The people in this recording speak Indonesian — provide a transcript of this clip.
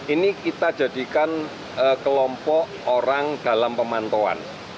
ini kita jadikan kelompok orang dalam pemantauan